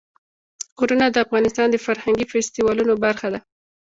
غرونه د افغانستان د فرهنګي فستیوالونو برخه ده.